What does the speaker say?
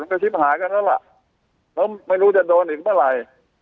มันก็ชิบหากันแล้วล่ะแล้วไม่รู้จะโดนอีกบ่ไหลถ้า